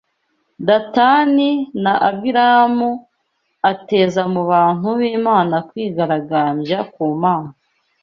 Datani na Abiramu, ateza mu bantu b’Imana kwigaragambya ku Mana